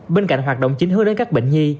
bên cạnh hoạt động chính hướng đến các bệnh nhi